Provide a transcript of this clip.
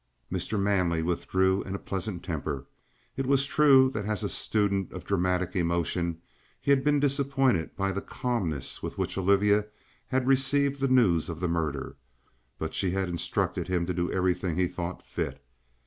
Mr. Manley withdrew in a pleasant temper. It was true that as a student of dramatic emotion he had been disappointed by the calmness with which Olivia had received the news of the murder; but she had instructed him to do everything he thought fit.